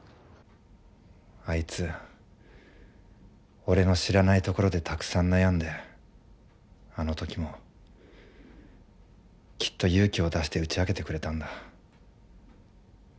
あいつ俺の知らないところでたくさん悩んであの時もきっと勇気を出して打ち明けてくれたんだ。